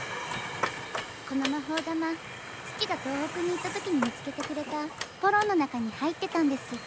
この魔法玉父が東北に行った時に見つけてくれたポロンの中に入ってたんです。